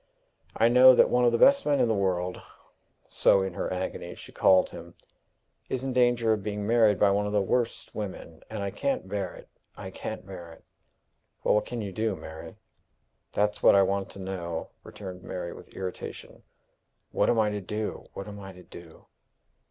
I know that one of the best men in the world" so in her agony she called him "is in danger of being married by one of the worst women; and I can't bear it I can't bear it!" "But what can you do, Mary?" "That's what I want to know," returned Mary, with irritation. "What am I to do? What am I to do?"